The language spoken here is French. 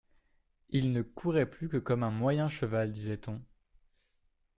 Il ne courait plus que comme un moyen cheval, disait-on.